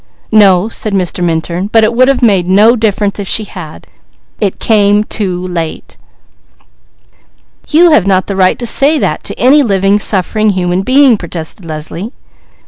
"No," said Mr. Minturn. "But it would have made no difference, if she had. It came too late." "You have not the right to say that to any living, suffering human being!" protested Leslie.